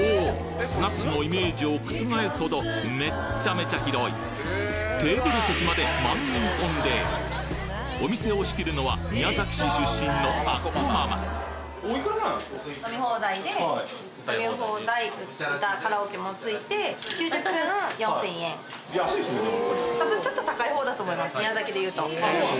スナックのイメージを覆すほどめっちゃめちゃ広いテーブル席までお店を仕切るのは宮崎市出身の安いですねでも。